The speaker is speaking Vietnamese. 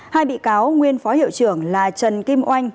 hai bị cáo nguyên phó hiệu trưởng là trần kim oanh